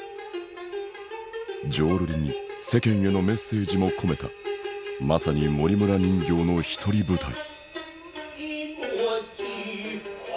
浄瑠璃に世間へのメッセージも込めたまさに森村人形の独り舞台。